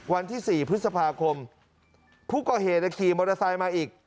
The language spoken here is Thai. วันที่๔พฤษภาคมผู้ก่อเหตุขี่มอเตอร์ไซค์มาอีก